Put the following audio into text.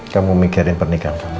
kamu mikirin pernikahan kamu ya